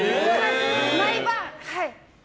毎晩。